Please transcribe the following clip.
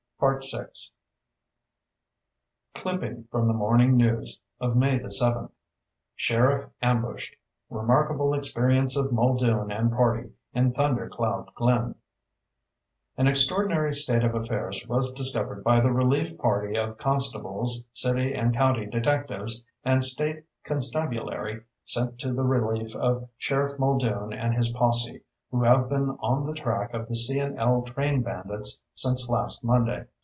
VI Clipping from the Morning News of May the seventh: SHERIFF AMBUSHED REMARKABLE EXPERIENCE OF MULDOON AND PARTY IN THUNDER CLOUD GLEN An extraordinary state of affairs was discovered by the relief party of constables, city and county detectives and state constabulary sent to the relief of Sheriff Muldoon and his posse, who have been on the track of the C. & L. train bandits since last Monday.